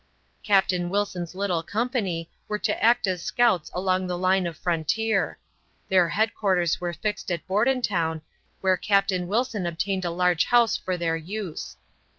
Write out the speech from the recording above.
Captain Wilson's little company were to act as scouts along the line of frontier. Their headquarters were fixed at Bordentown, where Captain Wilson obtained a large house for their use.